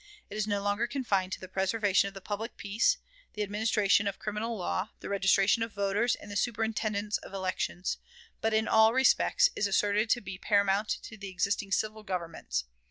It is no longer confined to the preservation of the public peace, the administration of criminal law, the registration of voters, and the superintendence of elections; but, 'in all respects,' is asserted to be paramount to the existing civil governments.